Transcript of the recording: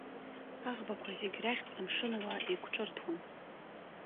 Аӷбақәа зегь рахьтә амшынуаа еиқәҿырҭуан.